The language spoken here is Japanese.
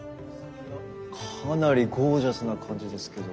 かなりゴージャスな感じですけど。